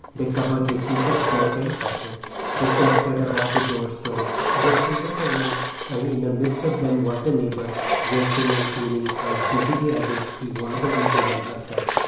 They covered the heap of dirt and ashes, they clustered about the door stone; they filled the corners; and in the midst of them was the neighbor, raking and cleaning as busily as if she were the wee woman herself.